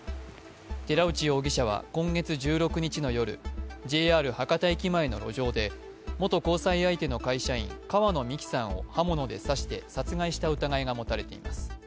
寺内容疑者は今月１６日の夜、ＪＲ博多駅前の路上で元交際相手の会社員川野美樹さんを刃物で刺して殺害した疑いが持たれています。